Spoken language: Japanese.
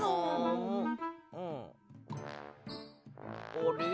あれ？